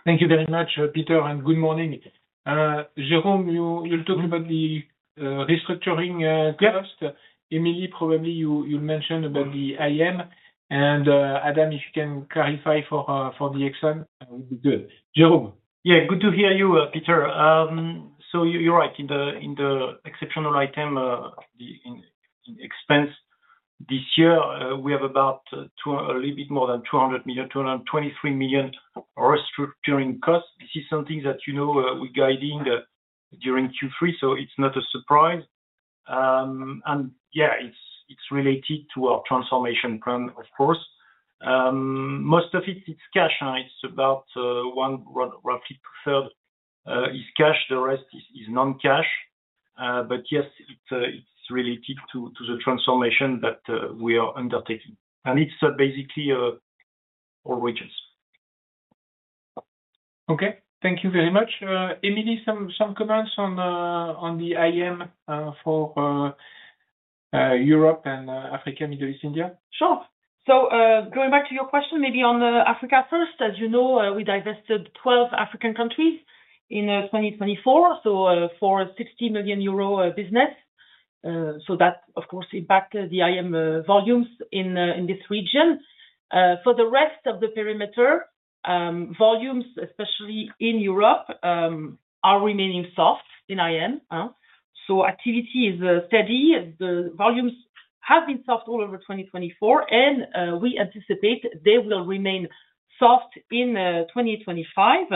Thank you very much, Peter, and good morning. Jérôme, you'll talk about the restructuring cost. Emilie, probably you'll mention about the IM. And Adam, if you can clarify for the Exxon, that would be good. Jérôme. Yeah, good to hear you, Peter. So you're right. In the exceptional item expense this year, we have about a little bit more than 200 million, 223 million restructuring costs. This is something that we're guiding during Q3, so it's not a surprise, and yeah, it's related to our transformation plan, of course. Most of it, it's cash. It's about one roughly two-thirds is cash. The rest is non-cash, but yes, it's related to the transformation that we are undertaking, and it's basically all regions. Okay. Thank you very much. Emilie, some comments on the IM for Europe and Africa, Middle East, India? Sure. So going back to your question, maybe on Africa first, as you know, we divested 12 African countries in 2024, so for a 60 million euro business. So that, of course, impacted the IM volumes in this region. For the rest of the perimeter, volumes, especially in Europe, are remaining soft in IM. So activity is steady. The volumes have been soft all over 2024, and we anticipate they will remain soft in 2025.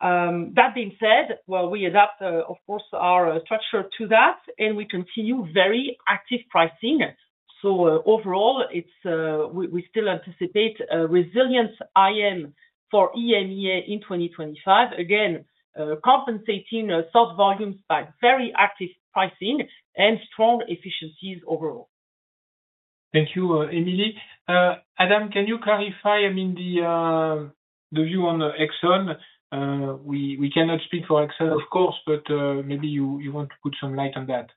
That being said, well, we adapt, of course, our structure to that, and we continue very active pricing. So overall, we still anticipate resilience IM for EMEA in 2025, again, compensating soft volumes by very active pricing and strong efficiencies overall. Thank you, Emilie. Adam, can you clarify, I mean, the view on Exxon? We cannot speak for Exxon, of course, but maybe you want to put some light on that.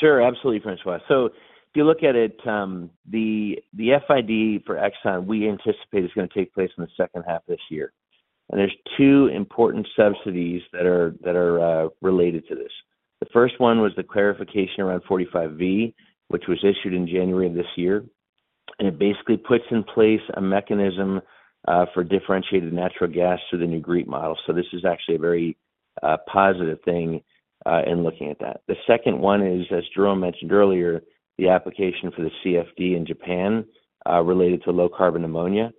Sure, absolutely, François. So if you look at it, the FID for Exxon, we anticipate is going to take place in the second half of this year. And there's two important subsidies that are related to this. The first one was the clarification around 45V, which was issued in January of this year. And it basically puts in place a mechanism for differentiated natural gas to the new GREET model. So this is actually a very positive thing in looking at that. The second one is, as Jérôme mentioned earlier, the application for the CFD in Japan related to low-carbon ammonia.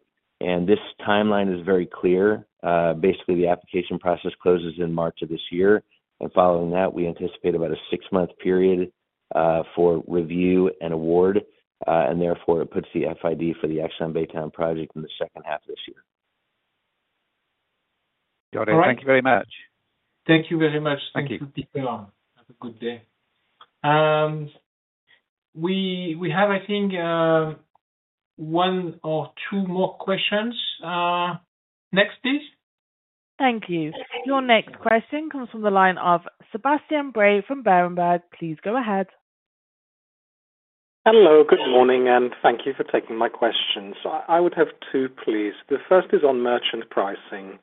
And this timeline is very clear. Basically, the application process closes in March of this year. And following that, we anticipate about a six-month period for review and award. And therefore, it puts the FID for the ExxonMobil Baytown project in the second half of this year. Got it. Thank you very much. Thank you very much. Thank you. Have a good day. We have, I think, one or two more questions. Next, please. Thank you. Your next question comes from the line of Sebastian Bray from Berenberg. Please go ahead. Hello, good morning, and thank you for taking my questions. I would have two, please. The first is on merchant pricing.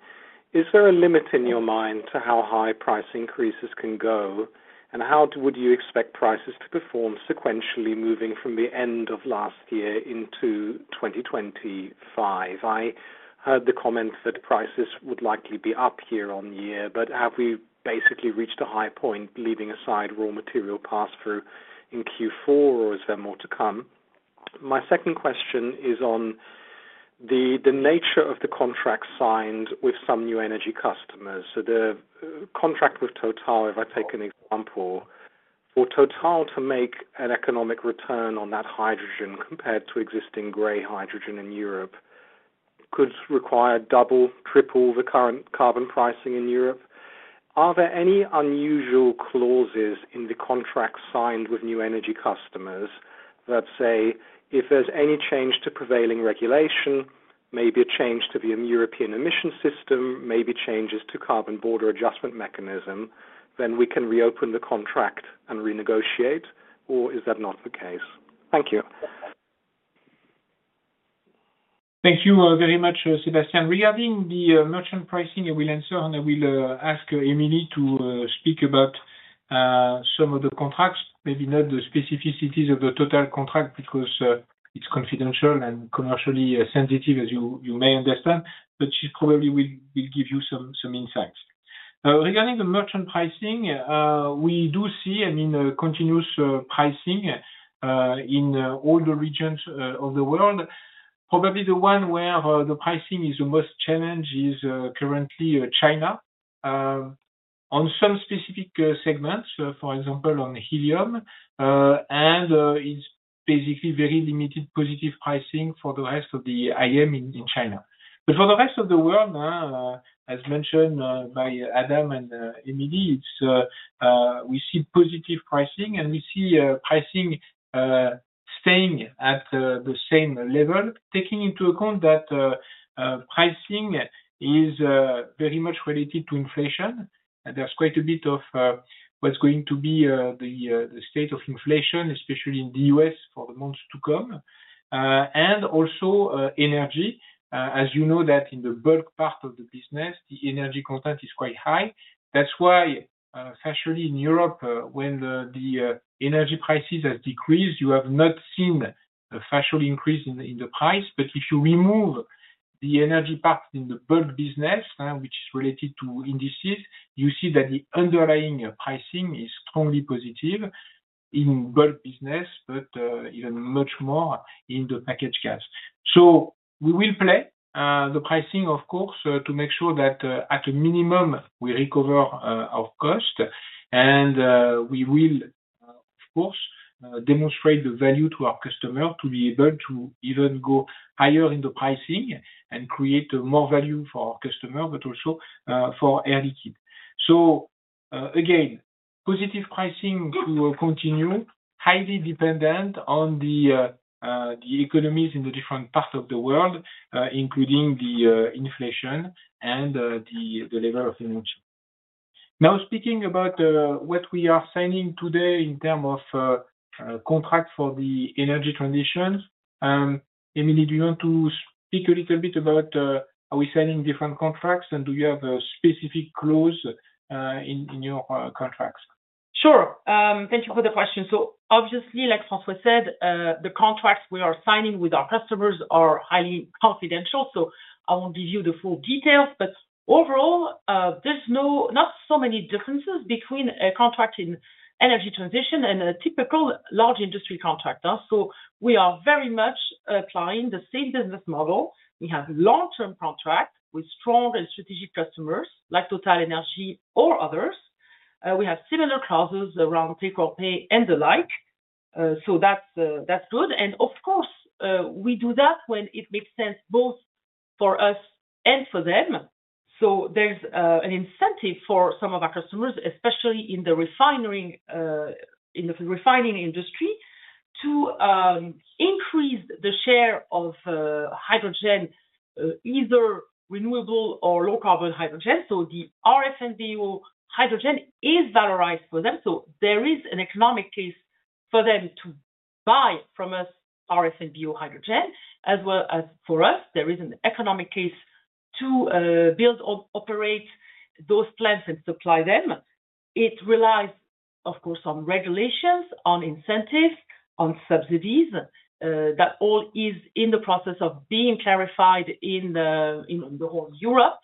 Is there a limit in your mind to how high price increases can go, and how would you expect prices to perform sequentially moving from the end of last year into 2025? I heard the comment that prices would likely be up year on year, but have we basically reached a high point, leaving aside raw material pass-through in Q4, or is there more to come? My second question is on the nature of the contract signed with some new energy customers. So the contract with Total, if I take an example, for Total to make an economic return on that hydrogen compared to existing gray hydrogen in Europe could require double, triple the current carbon pricing in Europe. Are there any unusual clauses in the contract signed with new energy customers that say if there's any change to prevailing regulation, maybe a change to the European emission system, maybe changes to carbon border adjustment mechanism, then we can reopen the contract and renegotiate, or is that not the case? Thank you. Thank you very much, Sebastian. Regarding the merchant pricing, I will answer, and I will ask Emilie to speak about some of the contracts, maybe not the specificities of the Total contract because it's confidential and commercially sensitive, as you may understand, but she probably will give you some insights. Regarding the merchant pricing, we do see, I mean, continuous pricing in all the regions of the world. Probably the one where the pricing is the most challenged is currently China on some specific segments, for example, on helium, and it's basically very limited positive pricing for the rest of the IM in China. But for the rest of the world, as mentioned by Adam and Émilie, we see positive pricing, and we see pricing staying at the same level, taking into account that pricing is very much related to inflation. There's quite a bit of what's going to be the state of inflation, especially in the U.S. for the months to come, and also energy, as you know, that in the bulk part of the business, the energy content is quite high. That's why especially in Europe, when the energy prices have decreased, you have not seen a substantial increase in the price. But if you remove the energy part in the bulk business, which is related to indices, you see that the underlying pricing is strongly positive in bulk business, but even much more in the packaged gas. So we will play the pricing, of course, to make sure that at a minimum, we recover our cost. And we will, of course, demonstrate the value to our customer to be able to even go higher in the pricing and create more value for our customer, but also for Air Liquide. So again, positive pricing will continue highly dependent on the economies in the different parts of the world, including the inflation and the level of inflation. Now, speaking about what we are signing today in terms of contract for the energy transition, Emilie, do you want to speak a little bit about how we're signing different contracts, and do you have a specific clause in your contracts? Sure. Thank you for the question. So obviously, like François said, the contracts we are signing with our customers are highly confidential. So I won't give you the full details, but overall, there's not so many differences between a contract in energy transition and a typical Large Industries contract. So we are very much applying the same business model. We have long-term contracts with strong and strategic customers like TotalEnergies or others. We have similar clauses around take-or-pay and the like. So that's good. And of course, we do that when it makes sense both for us and for them. So there's an incentive for some of our customers, especially in the refining industry, to increase the share of hydrogen, either renewable or low-carbon hydrogen. So the RFNBO hydrogen is valorized for them. So there is an economic case for them to buy from us RFNBO hydrogen, as well as for us, there is an economic case to build, operate those plants and supply them. It relies of course on regulations, on incentives, on subsidies. That all is in the process of being clarified in the whole Europe.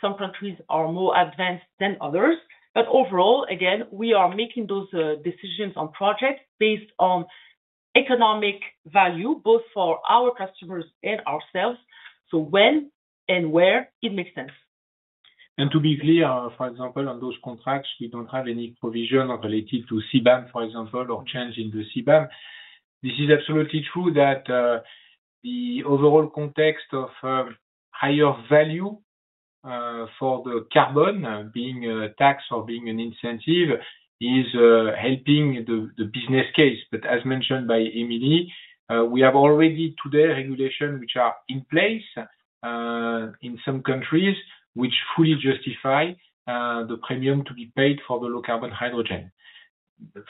Some countries are more advanced than others. But overall, again, we are making those decisions on projects based on economic value, both for our customers and ourselves. So when and where it makes sense. And to be clear, for example, on those contracts, we don't have any provision related to CBAM, for example, or change in the CBAM. This is absolutely true that the overall context of higher value for the carbon being taxed or being an incentive is helping the business case. But as mentioned by Emilie, we have already today regulations which are in place in some countries which fully justify the premium to be paid for the low-carbon hydrogen.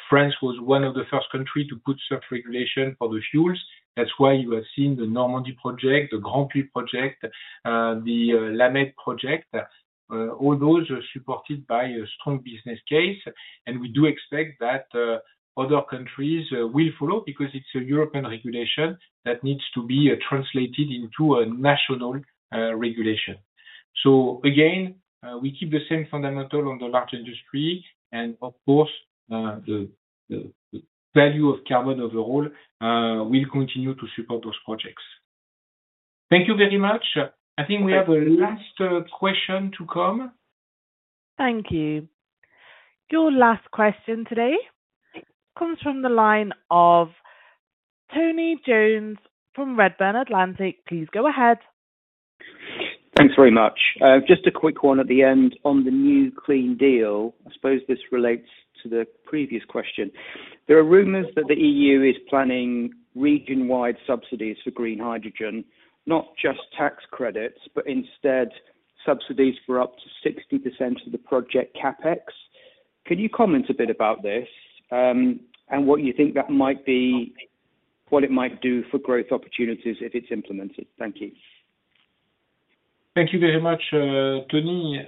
France was one of the first countries to put such regulation for the fuels. That's why you have seen the Normandy project, the Grandpuits project, the La Mède project, all those supported by a strong business case. And we do expect that other countries will follow because it's a European regulation that needs to be translated into a national regulation. So again, we keep the same fundamental on the large industry. And of course, the value of carbon overall will continue to support those projects. Thank you very much. I think we have a last question to come. Thank you. Your last question today comes from the line of Tony Jones from Redburn Atlantic. Please go ahead. Thanks very much. Just a quick one at the end on the new clean deal. I suppose this relates to the previous question. There are rumors that the EU is planning region-wide subsidies for green hydrogen, not just tax credits, but instead subsidies for up to 60% of the project CapEx. Can you comment a bit about this and what you think that might be, what it might do for growth opportunities if it's implemented? Thank you. Thank you very much, Tony.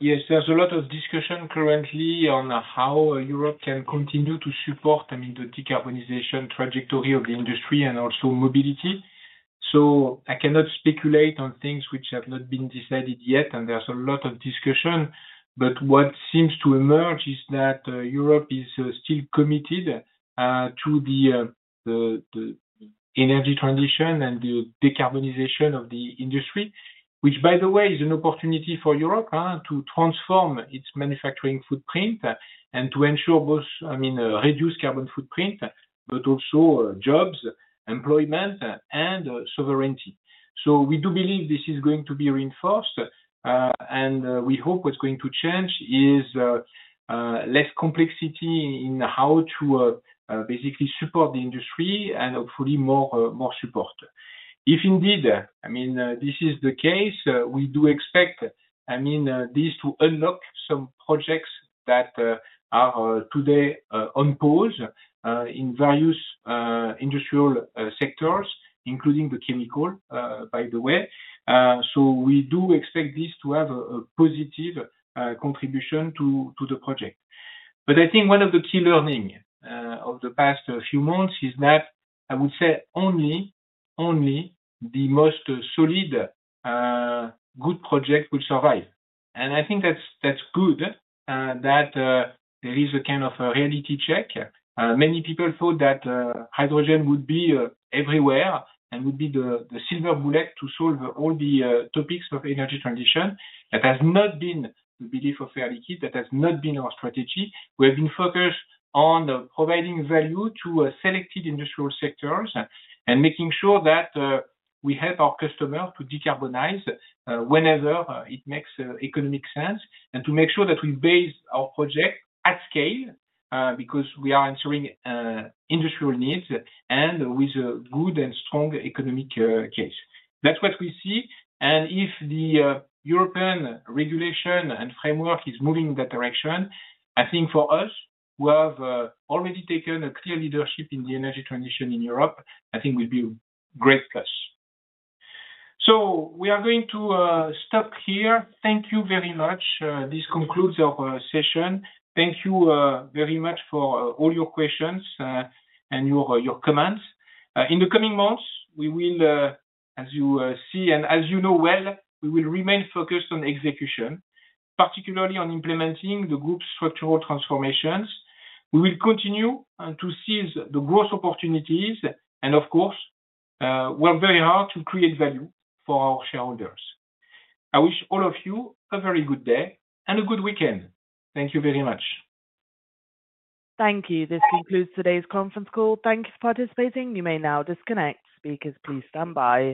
Yes, there's a lot of discussion currently on how Europe can continue to support, I mean, the decarbonization trajectory of the industry and also mobility. So, I cannot speculate on things which have not been decided yet, and there's a lot of discussion. But what seems to emerge is that Europe is still committed to the energy transition and the decarbonization of the industry, which, by the way, is an opportunity for Europe to transform its manufacturing footprint and to ensure both, I mean, reduce carbon footprint, but also jobs, employment, and sovereignty. We do believe this is going to be reinforced, and we hope what's going to change is less complexity in how to basically support the industry and hopefully more support. If indeed, I mean, this is the case, we do expect, I mean, this to unlock some projects that are today on pause in various industrial sectors, including the chemical, by the way. We do expect this to have a positive contribution to the project. But I think one of the key learnings of the past few months is that I would say only the most solid, good project will survive. And I think that's good that there is a kind of a reality check. Many people thought that hydrogen would be everywhere and would be the silver bullet to solve all the topics of energy transition. That has not been the belief of Air Liquide. That has not been our strategy. We have been focused on providing value to selected industrial sectors and making sure that we help our customers to decarbonize whenever it makes economic sense and to make sure that we base our project at scale because we are answering industrial needs and with a good and strong economic case. That's what we see. If the European regulation and framework is moving in that direction, I think for us, who have already taken a clear leadership in the energy transition in Europe, I think we'll be a great plus. So, we are going to stop here. Thank you very much. This concludes our session. Thank you very much for all your questions and your comments. In the coming months, we will, as you see and as you know well, we will remain focused on execution, particularly on implementing the group's structural transformations. We will continue to seize the growth opportunities and, of course, work very hard to create value for our shareholders. I wish all of you a very good day and a good weekend. Thank you very much. Thank you. This concludes today's conference call. Thank you for participating. You may now disconnect. Speakers, please stand by.